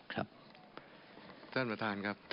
ท่านประธานครับ